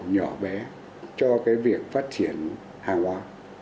nhỏ bé cho cái việc phát triển hàng hoa